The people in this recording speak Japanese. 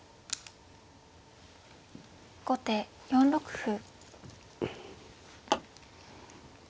後手４六歩。